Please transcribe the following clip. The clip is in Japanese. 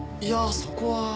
いやそこは。